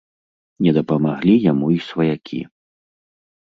Не дапамаглі яму і сваякі.